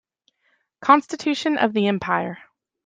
Constitution of the empire.